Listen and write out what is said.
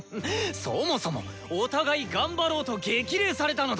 そもそも！お互い頑張ろうと激励されたのだ！